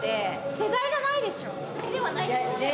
世代ではないですね。